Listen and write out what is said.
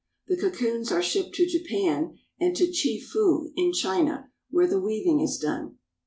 The cocoons are shipped to Japan, and to Chifu, in China, where the weaving is done.